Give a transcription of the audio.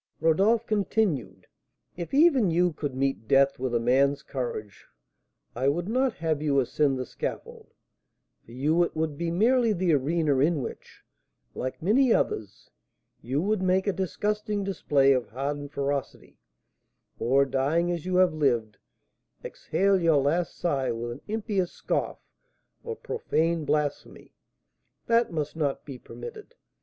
Rodolph continued: "If even you could meet death with a man's courage, I would not have you ascend the scaffold; for you it would be merely the arena in which, like many others, you would make a disgusting display of hardened ferocity; or, dying as you have lived, exhale your last sigh with an impious scoff or profane blasphemy. That must not be permitted.